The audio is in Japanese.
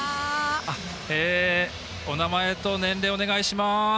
お名前と年齢お願いします。